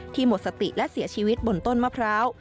หมดสติและเสียชีวิตบนต้นมะพร้าว